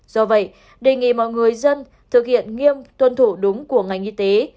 do vậy đề nghị mọi người dân thực hiện nghiêm tuân thủ đúng của ngành y tế